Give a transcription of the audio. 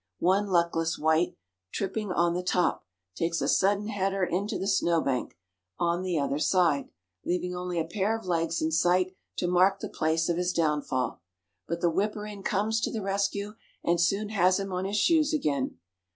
One luckless wight, tripping on the top, takes a sudden header into the snow bank on the other side, leaving only a pair of legs in sight to mark the place of his downfall. But the whipper in comes to the rescue, and soon has him on his shoes again.